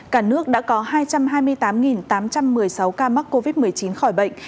cả nước đã có hai trăm hai mươi tám tám trăm một mươi sáu ca mắc covid một mươi chín khỏi bệnh